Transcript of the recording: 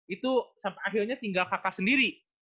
itu sampai akhirnya tinggal kakak sendiri